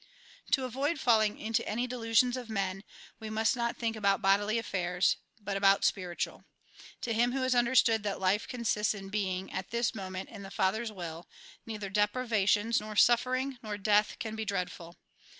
To avoid falling into any delusions of men, we must not think about bodily affairs, but about spiritual. To him who has understood that life consists in being, at this moment, in the Father's will, neither deprivations, nor suffering, nor death, 204 THE GOSPEL IN BRIEF can be dreadful.